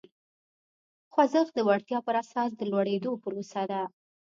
خوځښت د وړتیا پر اساس د لوړېدو پروسه ده.